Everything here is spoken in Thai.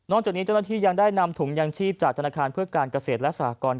จากนี้เจ้าหน้าที่ยังได้นำถุงยางชีพจากธนาคารเพื่อการเกษตรและสหกร